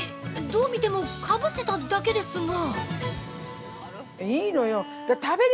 どう見てもかぶせただけですが？